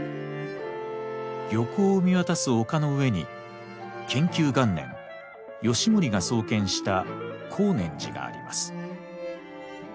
漁港を見渡す丘の上に建久元年義盛が創建した光念寺があります。